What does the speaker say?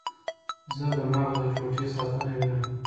زه د مغز د ټوټې ساتنه وینم.